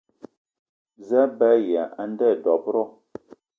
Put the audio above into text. Za a be aya a nda dob-ro?